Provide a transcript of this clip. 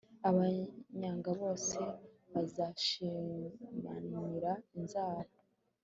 abanyanga bose banshimanira inzara